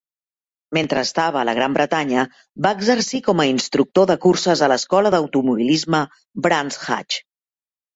Mentre estava a la Gran Bretanya, va exercir com a instructor de curses a l'escola d'automobilisme Brands Hatch.